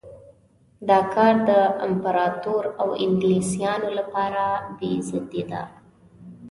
دا کار د امپراطور او انګلیسیانو لپاره بې عزتي ده.